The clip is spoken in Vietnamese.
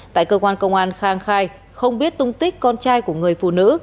tại cơ quan công an khang khai không biết tung tích con trai của người phụ nữ